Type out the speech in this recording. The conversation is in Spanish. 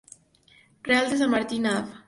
Real de San Martín, Av.